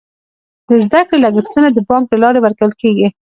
د زده کړې لګښتونه د بانک له لارې ورکول کیږي.